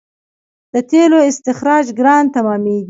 د تیلو استخراج ګران تمامېږي.